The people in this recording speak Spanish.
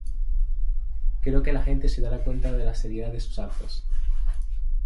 creo que la gente se dará cuenta de la seriedad de sus actos